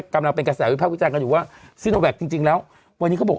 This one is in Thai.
กำลังเป็นกระแสวิภาพวิจารณ์กันอยู่ว่าซิโนแวคจริงแล้ววันนี้เขาบอก